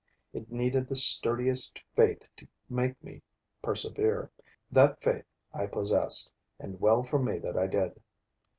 It needed the sturdiest faith to make me persevere. That faith I possessed; and well for me that I did.